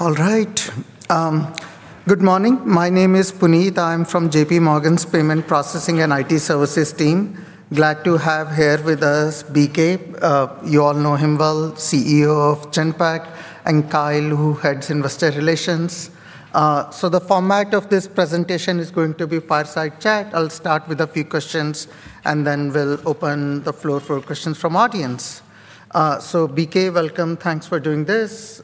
All right. Good morning. My name is Puneet. I'm from J.P. Morgan's payment processing and IT services team. Glad to have here with us BK, you all know him well, CEO of Genpact, and Kyle, who heads investor relations. The format of this presentation is going to be fireside chat. I'll start with a few questions, and then we'll open the floor for questions from audience. BK, welcome. Thanks for doing this.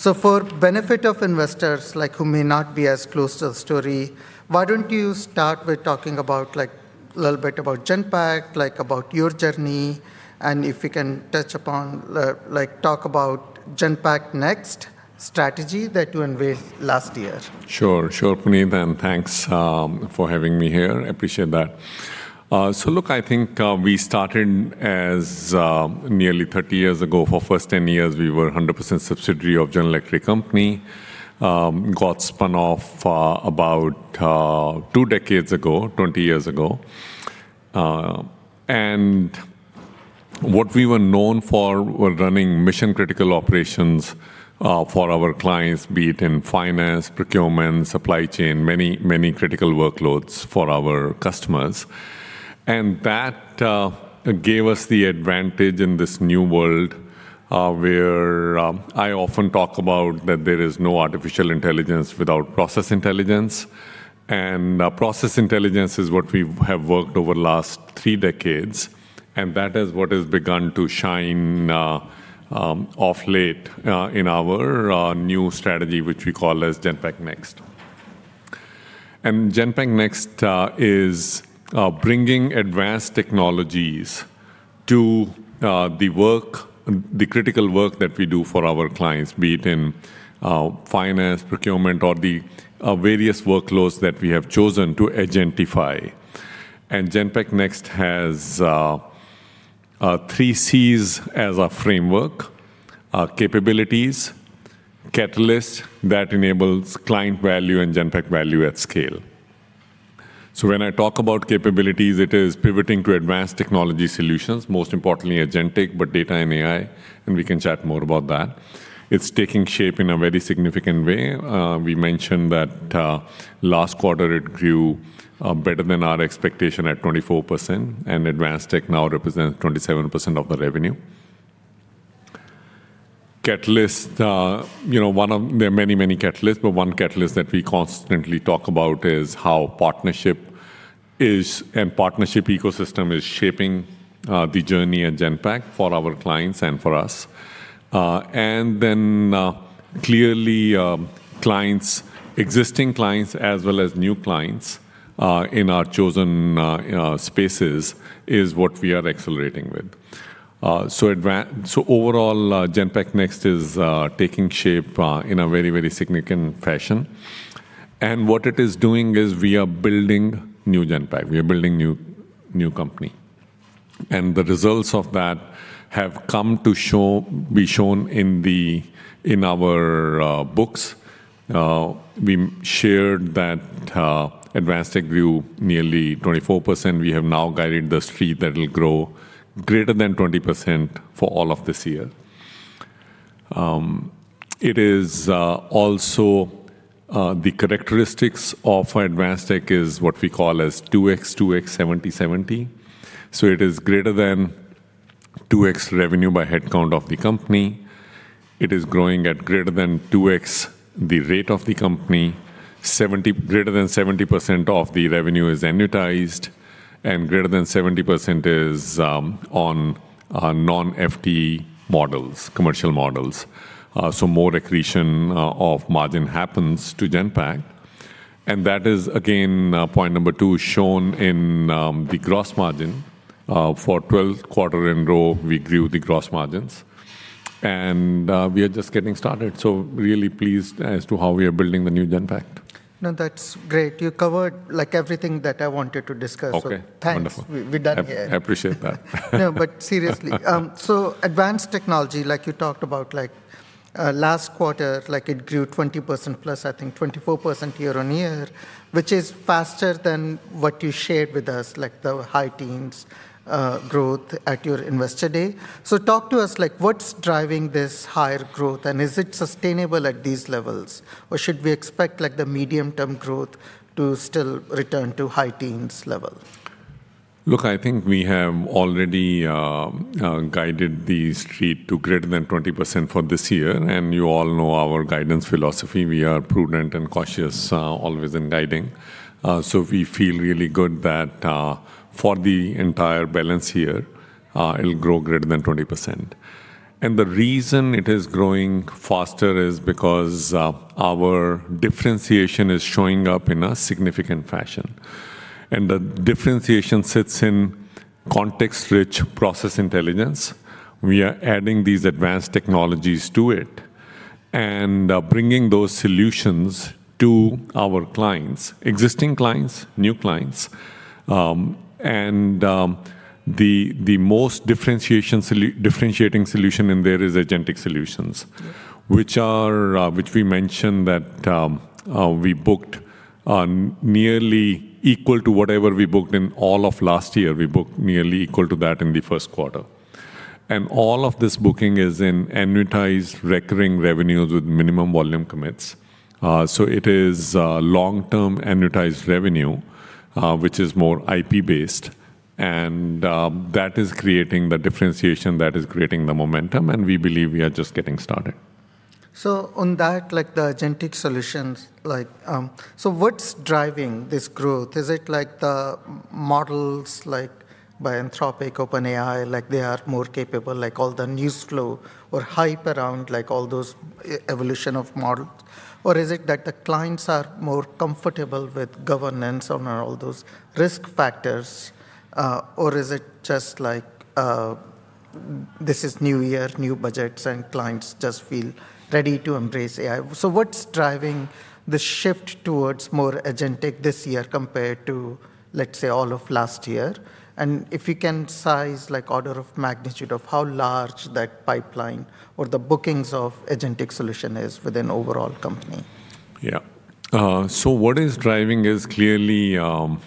For benefit of investors, like, who may not be as close to the story, why don't you start with talking about, like, a little bit about Genpact, like, about your journey, and if you can touch upon the, like, talk about Genpact Next strategy that you unveiled last year. Sure. Su re, Puneet, thanks for having me here. I appreciate that. I think, we started as nearly 30 years ago. For first 10 years we were 100% subsidiary of General Electric Company. Got spun off about two decades ago, 20 years ago. What we were known for were running mission-critical operations for our clients, be it in finance, procurement, supply chain, many critical workloads for our customers. That gave us the advantage in this new world where I often talk about that there is no artificial intelligence without process intelligence. Process intelligence is what we have worked over the last three decades, and that is what has begun to shine of late in our new strategy, which we call as Genpact Next. Genpact Next is bringing advanced technologies to the work, the critical work that we do for our clients, be it in finance, procurement, or the various workloads that we have chosen to agentify. Genpact Next has three C's as a framework. Capabilities, catalyst that enables client value and Genpact value at scale. When I talk about capabilities, it is pivoting to Advanced Technology Solutions, most importantly agentic, but Data and AI, and we can chat more about that. It's taking shape in a very significant way. We mentioned that last quarter it grew better than our expectation at 24%, and Advanced Tech now represents 27% of the revenue. There are many, many catalysts, but one catalyst that we constantly talk about is how partnership is, and partnership ecosystem is shaping the journey at Genpact for our clients and for us. Clearly, clients, existing clients as well as new clients, in our chosen spaces is what we are accelerating with. Overall, Genpact Next is taking shape in a very, very significant fashion. What it is doing is we are building new Genpact. We are building new company. The results of that have be shown in our books. We shared that Advanced Tech grew nearly 24%. We have now guided the street that it'll grow greater than 20% for all of this year. It is also the characteristics of Advanced Tech is what we call as 2x, 70/70. It is greater than 2x revenue by headcount of the company. It is growing at greater than 2x the rate of the company. Greater than 70% of the revenue is annuitized, and greater than 70% is on non-FTE models, commercial models. More accretion of margin happens to Genpact. That is, again, point number two shown in the gross margin. For 12th quarter in row, we grew the gross margins. We are just getting started, really pleased as to how we are building the new Genpact. No, that's great. You covered, like, everything that I wanted to discuss. Okay. Thanks. Wonderful. We're done here. I appreciate that. No, seriously. Advanced technology, like you talked about, like, last quarter, like, it grew 20%+, I think 24% year-over-year, which is faster than what you shared with us, like the high teens growth at your Investor Day. Talk to us, like, what's driving this higher growth, and is it sustainable at these levels? Should we expect, like, the medium-term growth to still return to high teens level? Look, I think we have already guided the street to greater than 20% for this year, and you all know our guidance philosophy. We are prudent and cautious always in guiding. We feel really good that for the entire balance year, it'll grow greater than 20%. The reason it is growing faster is because our differentiation is showing up in a significant fashion. The differentiation sits in context-rich process intelligence. We are adding these advanced technologies to it and bringing those solutions to our clients, existing clients, new clients. The most differentiating solution in there is agentic solutions, which are which we mentioned that we booked nearly equal to whatever we booked in all of last year. We booked nearly equal to that in the first quarter. All of this booking is in annualized recurring revenues with minimum volume commits. It is long-term annualized revenue, which is more IP based, that is creating the differentiation, that is creating the momentum, and we believe we are just getting started. On that, like the agentic solutions, what's driving this growth? Is it like the models by Anthropic, OpenAI, they are more capable, all the news flow or hype around all those evolution of models? Is it that the clients are more comfortable with governance on all those risk factors? Is it just this is new year, new budgets, and clients just feel ready to embrace AI? What's driving the shift towards more agentic this year compared to, let's say, all of last year? If you can size order of magnitude of how large that pipeline or the bookings of agentic solution is within overall company. Yeah. What is driving is clearly, overall,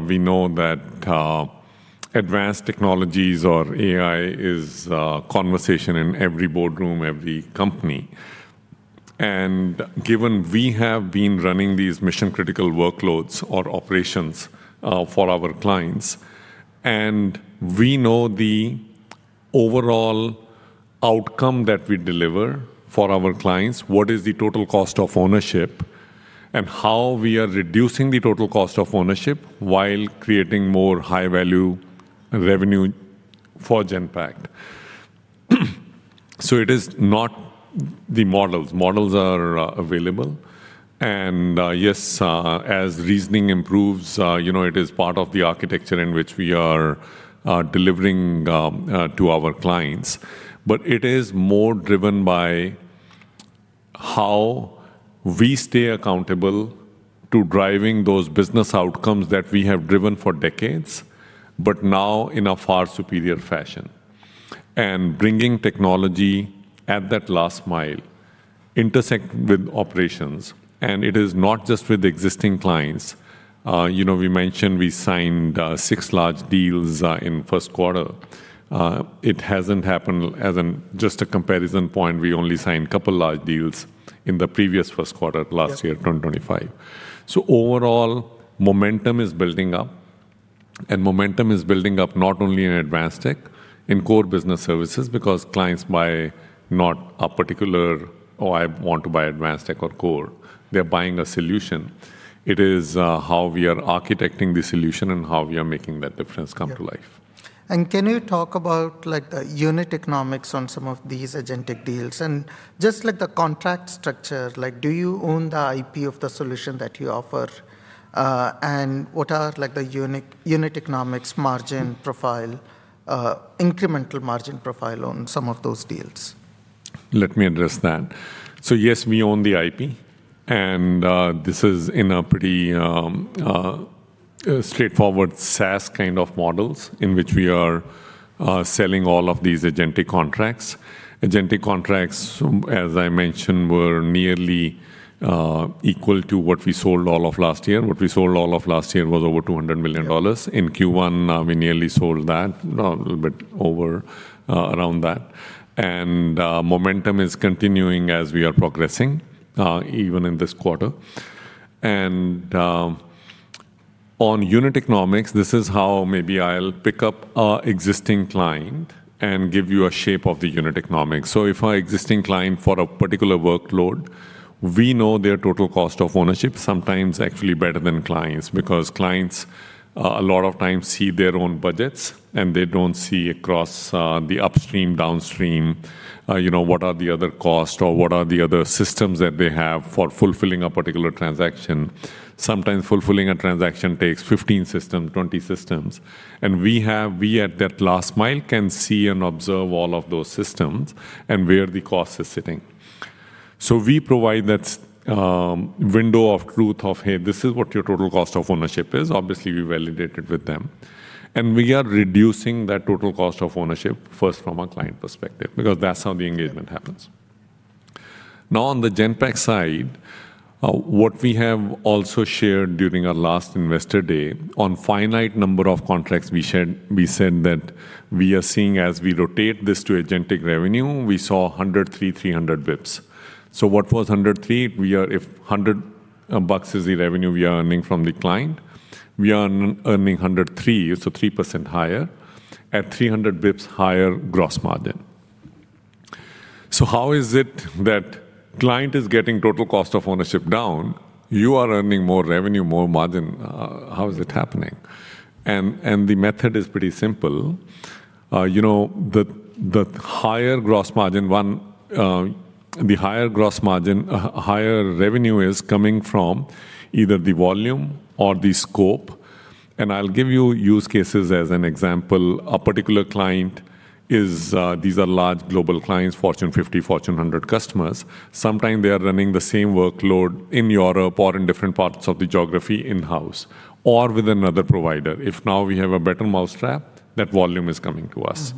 we know that advanced technologies or AI is a conversation in every boardroom, every company. Given we have been running these mission-critical workloads or operations for our clients, we know the overall outcome that we deliver for our clients, what is the total cost of ownership, and how we are reducing the total cost of ownership while creating more high-value revenue for Genpact. It is not the models. Models are available. Yes, as reasoning improves, you know, it is part of the architecture in which we are delivering to our clients. It is more driven by how we stay accountable to driving those business outcomes that we have driven for decades, but now in a far superior fashion. Bringing technology at that last mile intersect with operations. It is not just with existing clients. You know, we mentioned we signed six large deals in first quarter. It hasn't happened as in just a comparison point, we only signed a couple large deals in the previous first quarter. Yeah Last year, 2025. Overall, momentum is building up, momentum is building up not only in Advanced Tech, in Core Business Services, because clients buy not a particular, "Oh, I want to buy Advanced Tech or Core." They're buying a solution. It is, how we are architecting the solution and how we are making that difference come to life. Yeah. Can you talk about like the unit economics on some of these agentic deals? Just like the contract structure, like do you own the IP of the solution that you offer? What are like the unit economics margin profile, incremental margin profile on some of those deals? Let me address that. Yes, we own the IP, and this is in a pretty straightforward SaaS kind of models in which we are selling all of these agentic contracts. Agentic contracts, as I mentioned, were nearly equal to what we sold all of last year. What we sold all of last year was over $200 million. In Q1, we nearly sold that, a little bit over, around that. Momentum is continuing as we are progressing even in this quarter. On unit economics, this is how maybe I'll pick up our existing client and give you a shape of the unit economics. If our existing client for a particular workload, we know their total cost of ownership, sometimes actually better than clients, because clients a lot of times see their own budgets and they don't see across the upstream, downstream, you know, what are the other costs or what are the other systems that they have for fulfilling a particular transaction. Sometimes fulfilling a transaction takes 15 system, 20 systems. We at that last mile can see and observe all of those systems and where the cost is sitting. We provide that window of truth of, "Hey, this is what your total cost of ownership is." Obviously, we validate it with them. We are reducing that total cost of ownership first from a client perspective, because that's how the engagement happens. On the Genpact side, what we have also shared during our last Investor Day, on finite number of contracts we shared, we said that we are seeing as we rotate this to agentic revenue, we saw 103, 300 BPS. What was 103? If $100 bucks is the revenue we are earning from the client, we are earning 103, 3% higher, at 300 BPS higher gross margin. How is it that client is getting total cost of ownership down, you are earning more revenue, more margin? How is it happening? The method is pretty simple. You know, the higher gross margin, higher revenue is coming from either the volume or the scope. I'll give you use cases as an example. A particular client is, these are large global clients, Fortune 50, Fortune 100 customers. Sometimes they are running the same workload in Europe or in different parts of the geography in-house or with another provider. If now we have a better mousetrap, that volume is coming to us.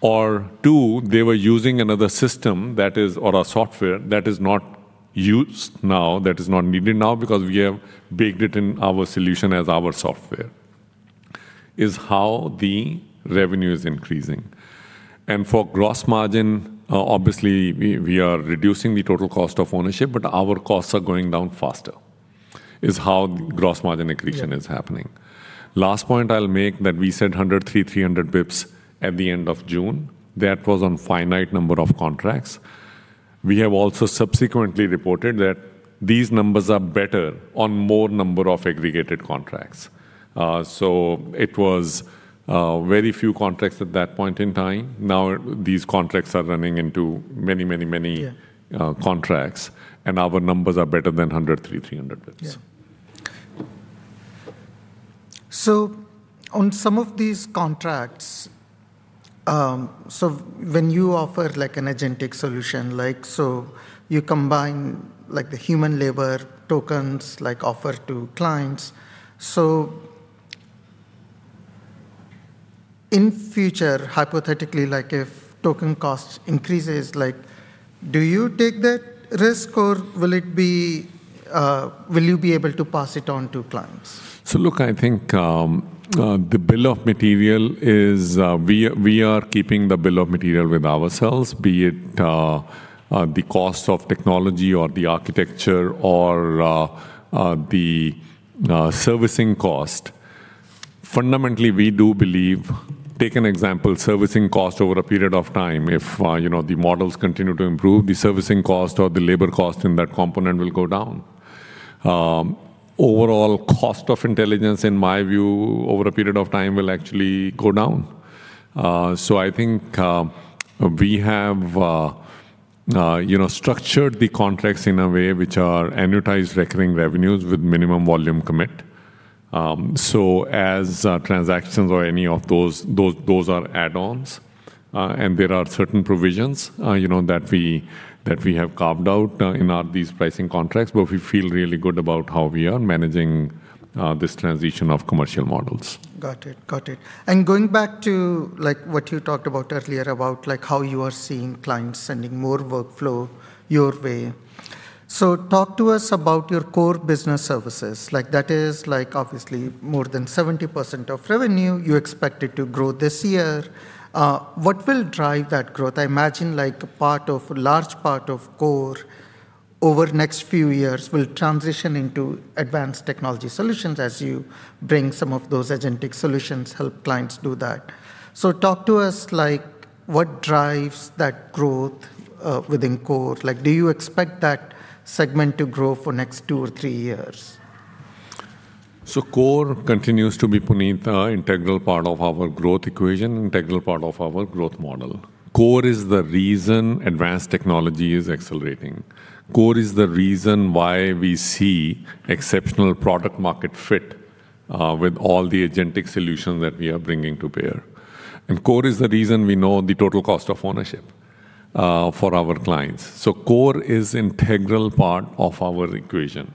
Or two, they were using another system or a software that is not used now, that is not needed now because we have baked it in our solution as our software, is how the revenue is increasing. For gross margin, obviously, we are reducing the total cost of ownership, but our costs are going down faster, is how gross margin accretion is happening. Yeah. Last point I'll make that we said 103, 300 BPS at the end of June. That was on finite number of contracts. We have also subsequently reported that these numbers are better on more number of aggregated contracts. It was very few contracts at that point in time. Now these contracts are running into many. Yeah. Contracts, our numbers are better than 103, 300 BPS. Yeah. On some of these contracts, when you offer like an agentic solution, like so you combine like the human labor tokens, like offer to clients. In future, hypothetically like if token costs increases, like, do you take that risk or will you be able to pass it on to clients? Look, I think, the bill of material is, we are keeping the bill of material with ourselves, be it, the cost of technology or the architecture or the servicing cost. Fundamentally, we do believe, take an example, servicing cost over a period of time. If, you know, the models continue to improve, the servicing cost or the labor cost in that component will go down. Overall cost of intelligence, in my view, over a period of time will actually go down. I think, we have, you know, structured the contracts in a way which are annualized recurring revenues with minimum volume commit. As transactions or any of those are add-ons. There are certain provisions, you know, that we have carved out in our these pricing contracts, but we feel really good about how we are managing this transition of commercial models. Got it. Got it. Going back to like what you talked about earlier, about like how you are seeing clients sending more workflow your way. Talk to us about your Core Business Services. Like that is like obviously more than 70% of revenue you expected to grow this year. What will drive that growth? I imagine like large part of Core over next few years will transition into Advanced Technology Solutions as you bring some of those agentic solutions, help clients do that. Talk to us, like what drives that growth within Core? Like, do you expect that segment to grow for next two or three years? Core continues to be, Puneet, an integral part of our growth equation, integral part of our growth model. Core is the reason Advanced Technology is accelerating. Core is the reason why we see exceptional product market fit with all the agentic solutions that we are bringing to bear. Core is the reason we know the total cost of ownership for our clients. Core is integral part of our equation.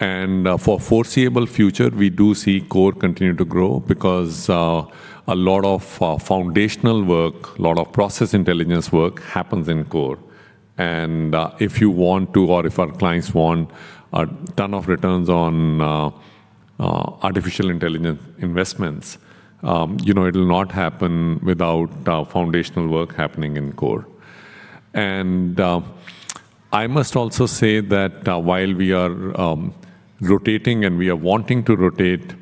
Yep. For foreseeable future, we do see Core continue to grow because a lot of foundational work, lot of process intelligence work happens in Core. If you want to or if our clients want a ton of returns on artificial intelligence investments, you know, it'll not happen without foundational work happening in Core. I must also say that while we are rotating and we are wanting to rotate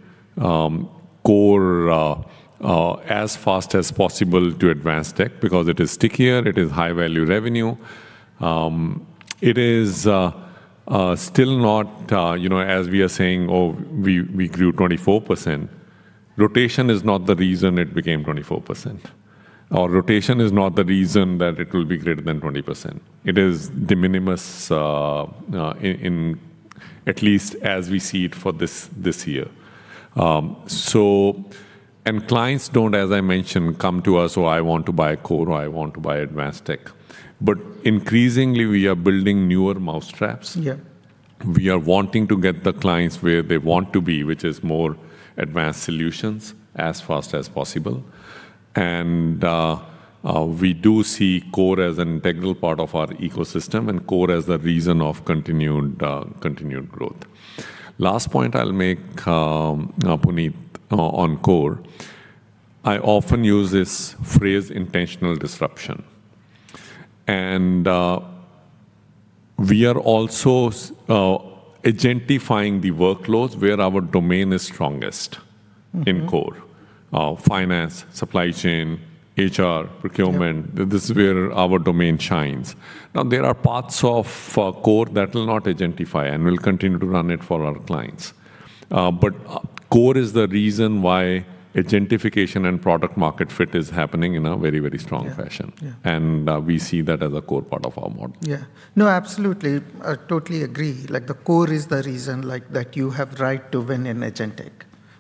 Core as fast as possible to Advanced Tech because it is stickier, it is high-value revenue, it is still not, you know, as we are saying, oh, we grew 24%. Rotation is not the reason it became 24%, or rotation is not the reason that it will be greater than 20%. It is de minimis, in at least as we see it for this year. Clients don't, as I mentioned, come to us, "Oh, I want to buy a Core," or, "I want to buy Advanced Tech." Increasingly, we are building newer mousetraps. Yeah. We are wanting to get the clients where they want to be, which is more advanced solutions as fast as possible. We do see core as an integral part of our ecosystem and core as the reason of continued growth. Last point I'll make, Puneet, on Core. I often use this phrase intentional disruption. We are also agentifying the workloads where our domain is strongest in core, finance, supply chain, HR procurement. Yeah. This is where our domain shines. Now, there are parts of Core that will not agentify, and we'll continue to run it for our clients. Core is the reason why agentification and product market fit is happening in a very, very strong fashion. Yeah, yeah. We see that as a core part of our model. Yeah. No, absolutely. I totally agree. Like the Core is the reason like that you have right to win in agentic.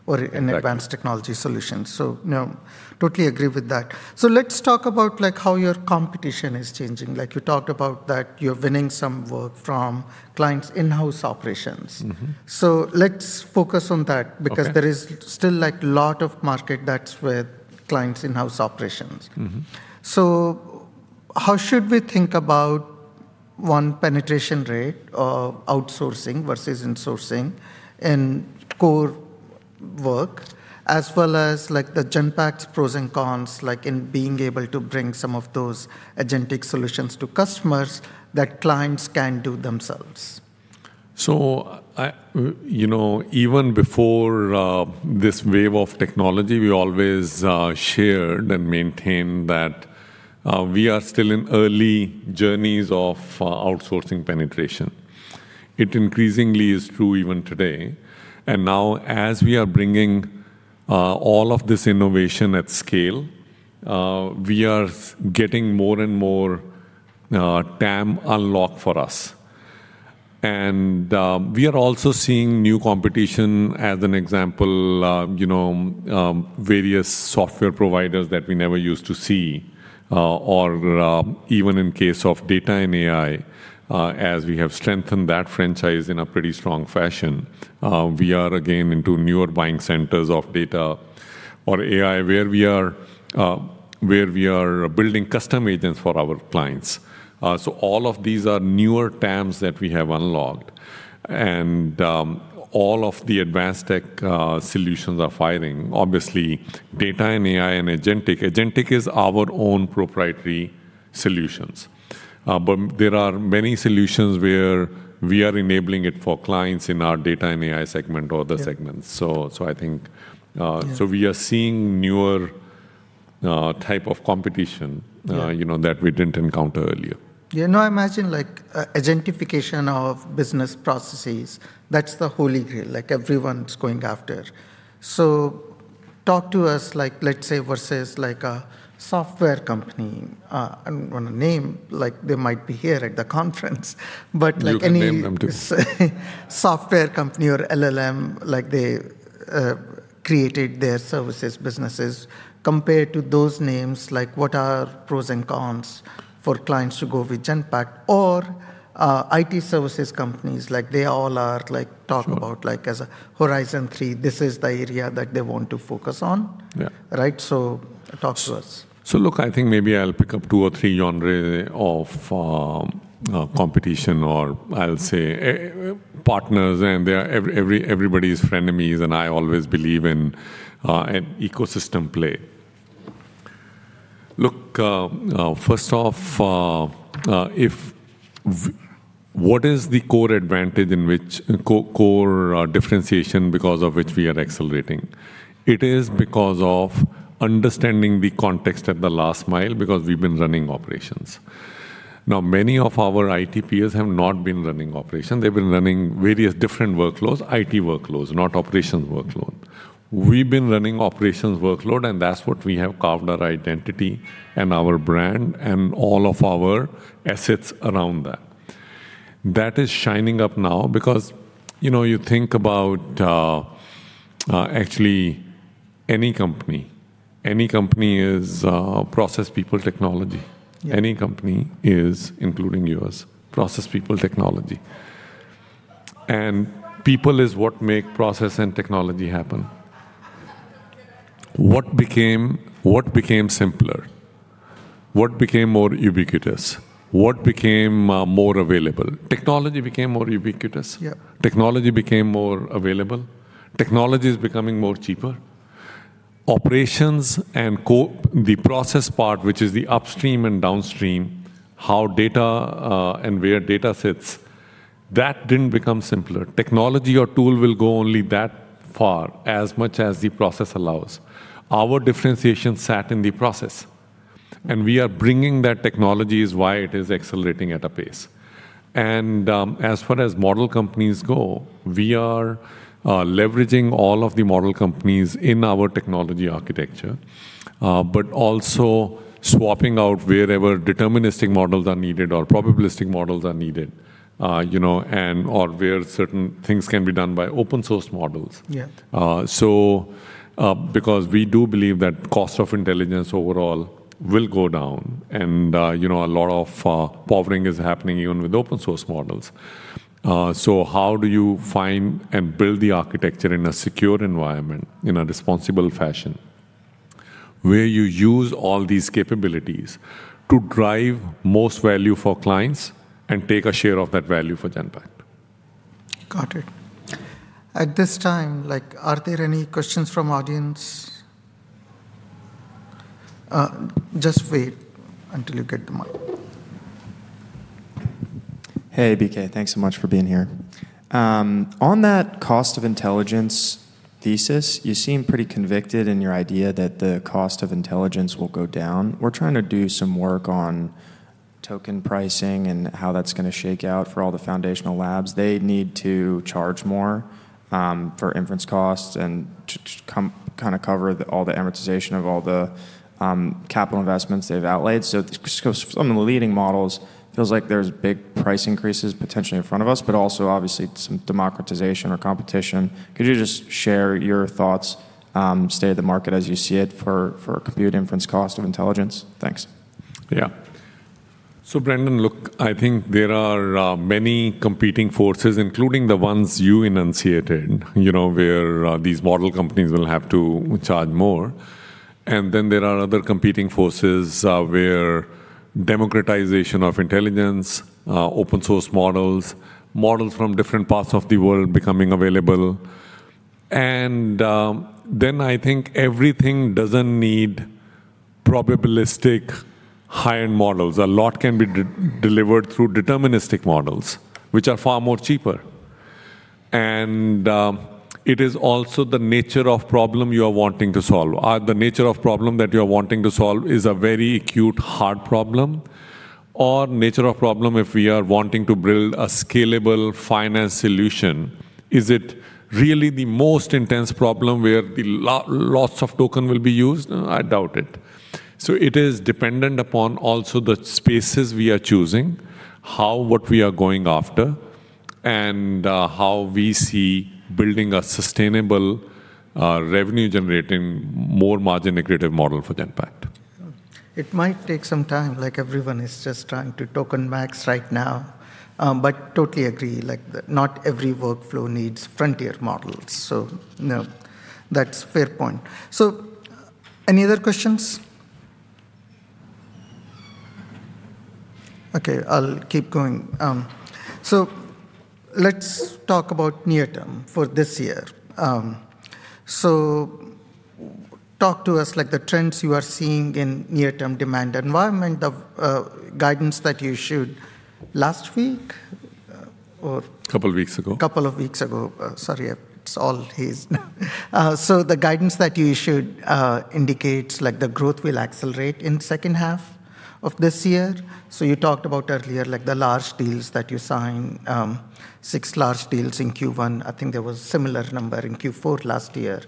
Right. Advanced Technology Solutions. No, totally agree with that. Let's talk about like how your competition is changing. Like you talked about that you're winning some work from clients' in-house operations. Let's focus on that. Okay. There is still like lot of market that's with clients' in-house operations. How should we think about one, penetration rate of outsourcing versus insourcing in core work, as well as the Genpact's pros and cons in being able to bring some of those agentic solutions to customers that clients can do themselves. I, you know, even before this wave of technology, we always shared and maintained that we are still in early journeys of outsourcing penetration. It increasingly is true even today. Now as we are bringing all of this innovation at scale, we are getting more and more TAM unlocked for us. We are also seeing new competition as an example, you know, various software providers that we never used to see. Even in case of Data and AI, as we have strengthened that franchise in a pretty strong fashion, we are again into newer buying centers of Data or AI where we are building custom agents for our clients. All of these are newer TAMs that we have unlocked and all of the Advanced Tech solutions are firing. Obviously, Data and AI and agentic. Agentic is our own proprietary solutions. There are many solutions where we are enabling it for clients in our Data and AI segment or other segments. Yeah. I think, Yeah. We are seeing newer, type of competition. Yeah. You know, that we didn't encounter earlier. You know, I imagine like agentification of business processes, that's the holy grail, like everyone's going after. Talk to us like let's say versus like a software company, I don't wanna name like they might be here at the conference but like. You can name them too. Software company or LLM, like they created their services businesses. Compared to those names, like what are pros and cons for clients to go with Genpact or IT services companies like they all are like? Sure. Like as a Horizon 3, this is the area that they want to focus on. Yeah. Right? Talk to us. Look, I think maybe I'll pick up two or three genre of competition or I'll say partners and they are everybody's frenemies and I always believe in an ecosystem play. Look, first off, what is the core advantage in which core differentiation because of which we are accelerating? It is because of understanding the context at the last mile because we've been running operations. Now, many of our IT peers have not been running operations. They've been running various different workloads, IT workloads, not operations workloads. We've been running operations workload, and that's what we have carved our identity and our brand and all of our assets around that. That is shining up now because, you know, you think about actually any company. Any company is process, people, technology. Yeah. Any company is, including yours, process, people, technology. People is what make process and technology happen. What became simpler? What became more ubiquitous? What became more available? Technology became more ubiquitous. Yeah. Technology became more available. Technology is becoming more cheaper. Operations and the process part, which is the upstream and downstream, how data and where data sits, that didn't become simpler. Technology or tool will go only that far, as much as the process allows. Our differentiation sat in the process, we are bringing that technology is why it is accelerating at a pace. As far as model companies go, we are leveraging all of the model companies in our technology architecture, but also swapping out wherever deterministic models are needed or probabilistic models are needed. You know, where certain things can be done by open source models. Yeah. Because we do believe that cost of intelligence overall will go down and, you know, a lot of powering is happening even with open source models. How do you find and build the architecture in a secure environment, in a responsible fashion, where you use all these capabilities to drive most value for clients and take a share of that value for Genpact? Got it. At this time, like, are there any questions from audience? Just wait until you get the mic. Hey, BK. Thanks so much for being here. On that cost of intelligence thesis, you seem pretty convicted in your idea that the cost of intelligence will go down. We're trying to do some work on token pricing and how that's gonna shake out for all the foundational labs. They need to charge more for inference costs and kind of cover the, all the amortization of all the capital investments they've outlaid. Some of the leading models feels like there's big price increases potentially in front of us, but also obviously some democratization or competition. Could you just share your thoughts, state of the market as you see it for compute inference cost of intelligence? Thanks. Brendan, look, I think there are many competing forces, including the ones you enunciated, you know, where these model companies will have to charge more. There are other competing forces, where democratization of intelligence, open source models from different parts of the world becoming available. I think everything doesn't need probabilistic high-end models. A lot can be de-delivered through deterministic models, which are far more cheaper. It is also the nature of problem you are wanting to solve. The nature of problem that you are wanting to solve is a very acute hard problem or nature of problem if we are wanting to build a scalable finance solution. Is it really the most intense problem where lots of token will be used? I doubt it. It is dependent upon also the spaces we are choosing, how what we are going after, and how we see building a sustainable, revenue-generating, more margin accretive model for Genpact. It might take some time, like everyone is just trying to token max right now. Totally agree, like, not every workflow needs frontier models. You know, that's fair point. Any other questions? Okay, I'll keep going. Let's talk about near term for this year. Talk to us like the trends you are seeing in near-term demand environment of guidance that you issued last week. Couple weeks ago. Couple of weeks ago. Sorry, it's all haze now. The guidance that you issued indicates like the growth will accelerate in second half of this year. You talked about earlier, like the large deals that you signed, six large deals in Q1. I think there was similar number in Q4 last year.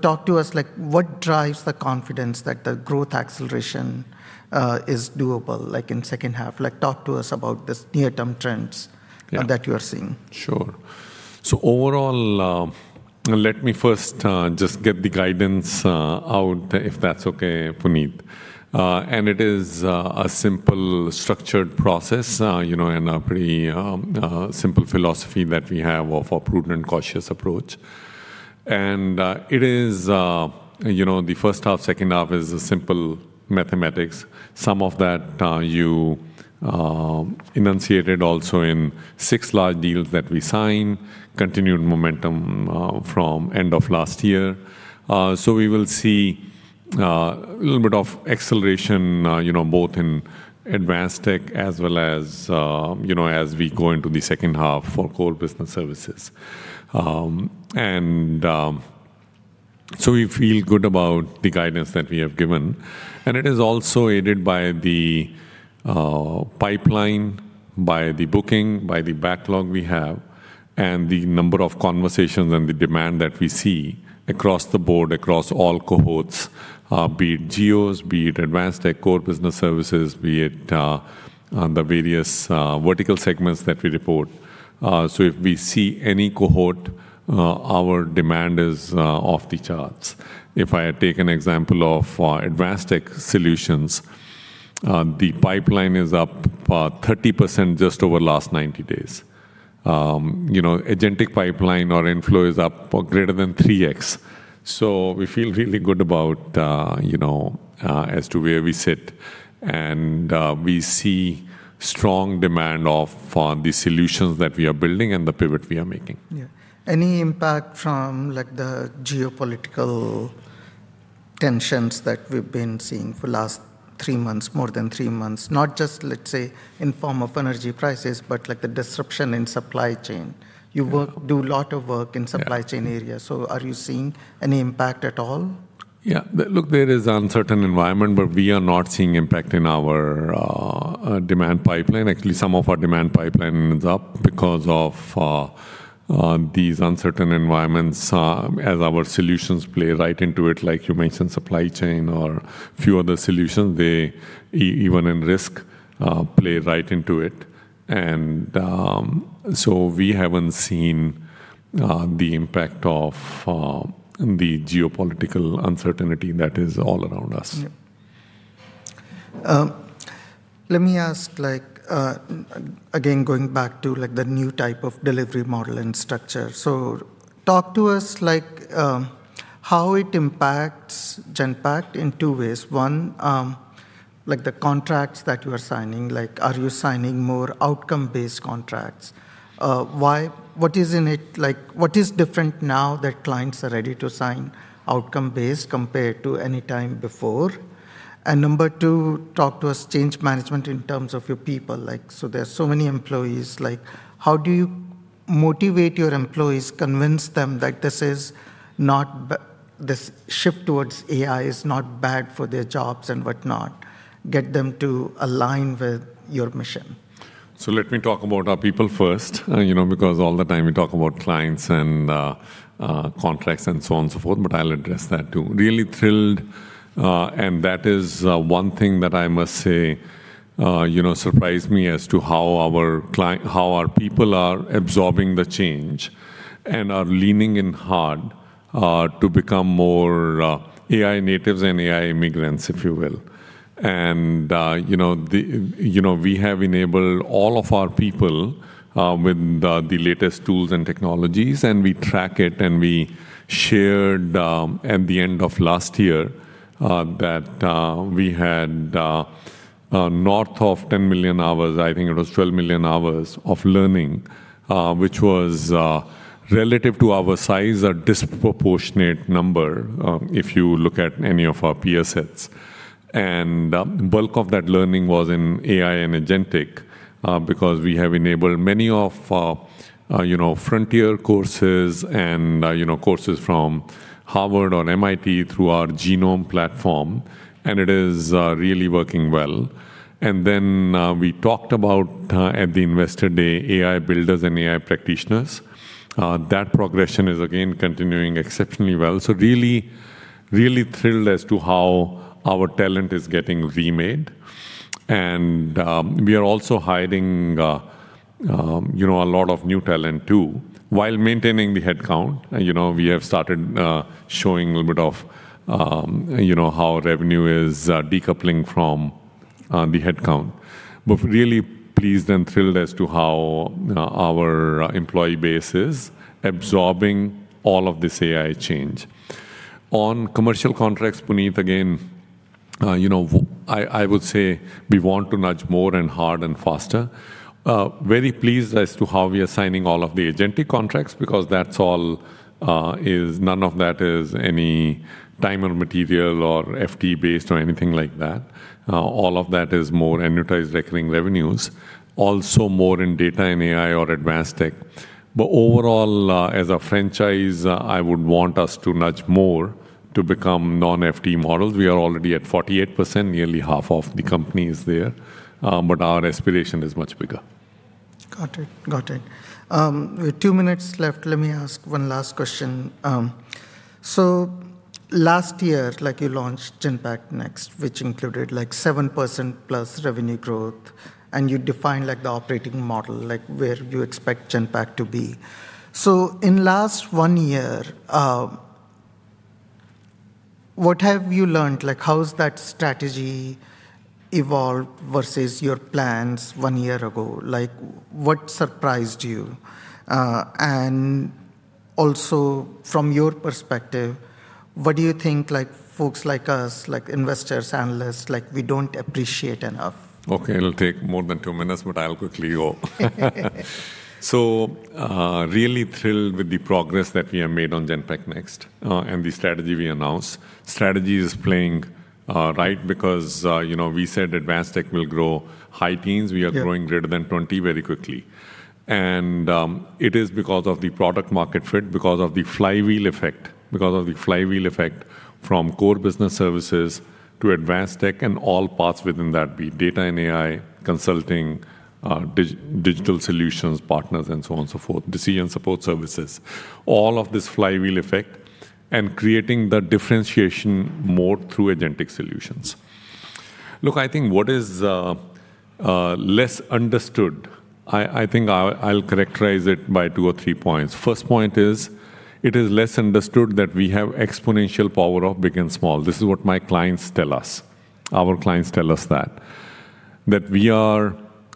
Talk to us, like what drives the confidence that the growth acceleration is doable, like in second half? Like, talk to us about this near-term trends? Yeah. That you are seeing. Sure. Overall, let me first just get the guidance out if that's okay, Puneet. It is a simple structured process, you know, and a pretty simple philosophy that we have of a prudent, cautious approach. It is, you know, the first half, second half is a simple mathematics. Some of that, you enunciated also in six large deals that we signed, continued momentum from end of last year. We will see a little bit of acceleration, you know, both in Advanced Tech as well as, you know, as we go into the second half for Core Business Services. We feel good about the guidance that we have given, and it is also aided by the pipeline, by the booking, by the backlog we have, and the number of conversations and the demand that we see across the board, across all cohorts, be it geos, be it Advanced Technology Solutions, Core Business Services, be it on the various vertical segments that we report. If we see any cohort, our demand is off the charts. If I take an example of Advanced Technology Solutions, the pipeline is up 30% just over last 90 days. You know, agentic pipeline or inflow is up greater than 3x. We feel really good about, you know, as to where we sit. We see strong demand of, the solutions that we are building and the pivot we are making. Yeah. Any impact from like the geopolitical tensions that we've been seeing for last three months, more than three months? Not just, let's say, in form of energy prices, but like the disruption in supply chain. Do lot of work in supply chain area. Yeah. Are you seeing any impact at all? Look, there is uncertain environment, we are not seeing impact in our demand pipeline. Actually, some of our demand pipeline is up because of these uncertain environments, as our solutions play right into it, like you mentioned, supply chain or few other solutions. They even in risk play right into it. We haven't seen the impact of the geopolitical uncertainty that is all around us. Let me ask again, going back to the new type of delivery model and structure. Talk to us how it impacts Genpact in two ways. One, the contracts that you are signing, are you signing more outcome-based contracts? What is different now that clients are ready to sign outcome-based compared to any time before? Number two, talk to us change management in terms of your people. Like, there are so many employees, how do you motivate your employees, convince them that this shift towards AI is not bad for their jobs and whatnot, get them to align with your mission? Let me talk about our people first, you know, because all the time we talk about clients and contracts and so on and so forth, but I'll address that too. Really thrilled, and that is one thing that I must say, you know, surprised me as to how our people are absorbing the change and are leaning in hard to become more AI natives and AI immigrants, if you will. You know, we have enabled all of our people with the latest tools and technologies, and we track it, and we shared at the end of last year. That we had north of 10 million hours, I think it was 12 million hours of learning, which was relative to our size, a disproportionate number if you look at any of our peer sets. Bulk of that learning was in AI and agentic because we have enabled many of you know, frontier courses and you know, courses from Harvard or MIT through our Genome platform, and it is really working well. We talked about at the Investor Day, AI builders and AI practitioners. That progression is again continuing exceptionally well. Really thrilled as to how our talent is getting remade. We are also hiring, you know, a lot of new talent too, while maintaining the headcount. You know, we have started showing a little bit of, you know, how revenue is decoupling from the headcount. Really pleased and thrilled as to how our employee base is absorbing all of this AI change. On commercial contracts, Puneet, again, you know, I would say we want to nudge more and hard and faster. Very pleased as to how we are signing all of the agentic contracts because that's all is none of that is any time or material or FTE based or anything like that. All of that is more annualized recurring revenues. Also more in Data and AI or Advanced Tech. Overall, as a franchise, I would want us to nudge more to become non-FD models. We are already at 48%, nearly half of the company is there, but our aspiration is much bigger. Got it. Got it. With two minutes left, let me ask one last question. Last year, you launched Genpact Next, which included 7%+ revenue growth, and you defined the operating model, where you expect Genpact to be. In last 1 year, what have you learned? How has that strategy evolved versus your plans one year ago? What surprised you? And also from your perspective, what do you think, folks like us, investors, analysts, we don't appreciate enough? Okay, it'll take more than two minutes, but I'll quickly go. Really thrilled with the progress that we have made on Genpact Next, and the strategy we announced. Strategy is playing right because, you know, we said Advanced tech will grow high teens. Yeah. We are growing greater than 20 very quickly. It is because of the product market fit, because of the flywheel effect, because of the flywheel effect from Core Business Services to Advanced Tech and all parts within that, be it Data and AI, consulting, digital solutions partners and so on and so forth, decision support services. All of this flywheel effect and creating the differentiation more through agentic solutions. Look, I think what is less understood, I think I'll characterize it by two or three points. First point is, it is less understood that we have exponential power of big and small. This is what my clients tell us. Our clients tell us that. We are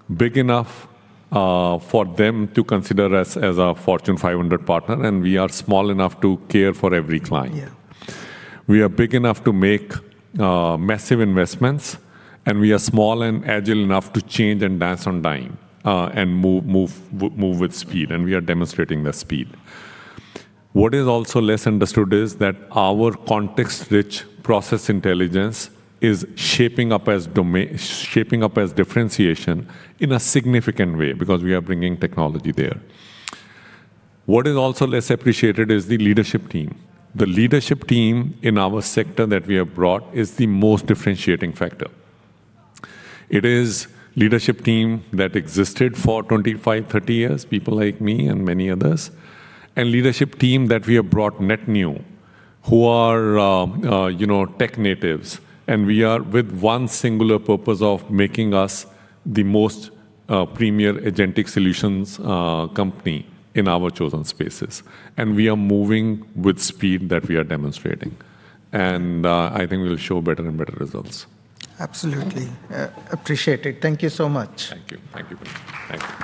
big enough for them to consider us as a Fortune 500 partner, and we are small enough to care for every client. Yeah. We are big enough to make massive investments. We are small and agile enough to change and dance on time and move with speed. We are demonstrating the speed. What is also less understood is that our context-rich process intelligence is shaping up as differentiation in a significant way because we are bringing technology there. What is also less appreciated is the leadership team. The leadership team in our sector that we have brought is the most differentiating factor. It is leadership team that existed for 25, 30 years, people like me and many others, and leadership team that we have brought net new, who are, you know, tech natives, and we are with one singular purpose of making us the most premier agentic solutions company in our chosen spaces, and we are moving with speed that we are demonstrating. I think we'll show better and better results. Absolutely. Appreciate it. Thank you so much. Thank you. Thank you, Puneet. Thank you.